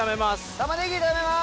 タマネギ炒めます。